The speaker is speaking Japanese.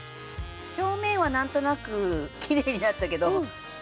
表面はなんとなくきれいになったけど。